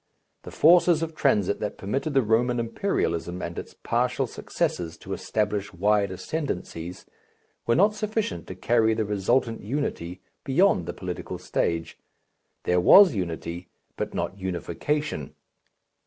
The forces of transit that permitted the Roman imperialism and its partial successors to establish wide ascendancies, were not sufficient to carry the resultant unity beyond the political stage. There was unity, but not unification.